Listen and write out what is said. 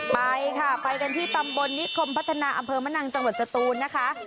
ไปค่ะไปกันที่ตำบลนิคมพัฒนาอำเภอมะนังจังหวัดสตูนนะคะ